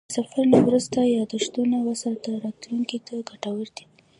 د سفر نه وروسته یادښتونه وساته، راتلونکي ته ګټور دي.